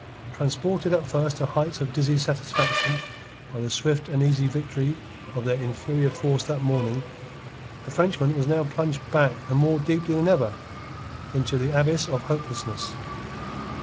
Transported at first to heights of dizzy satisfaction by the swift and easy victory of their inferior force that morning, the Frenchman was now plunged back and more deeply than ever into the abyss of hopelessness.